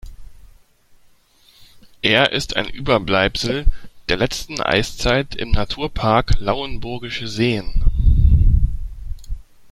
Er ist ein Überbleibsel der letzten Eiszeit im Naturpark Lauenburgische Seen.